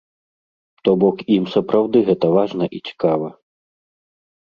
То бок ім сапраўды гэта важна і цікава.